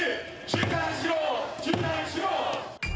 中断しろ！